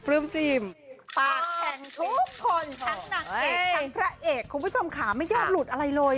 ทั้งหนังเอกทั้งตระเอกคุณผู้ชมขาไม่ยอมหลุดอะไรเลย